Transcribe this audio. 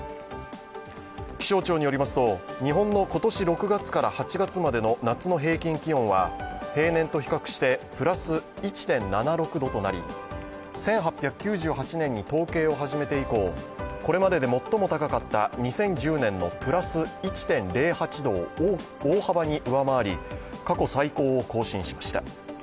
気象庁によりますと日本の今年６月から８月までの夏の平均気温は平年と比較してプラス１．７６度となり、１８９８年に統計を始めて以降、これまで最も高かった２０１０年のプラス１．０８度を大幅に上回り過去最高を更新しました。